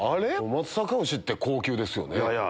松阪牛って高級ですよね。